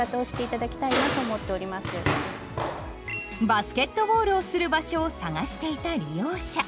バスケットボールをする場所を探していた利用者。